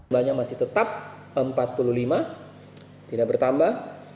banyak masih tetap empat puluh lima tidak bertambah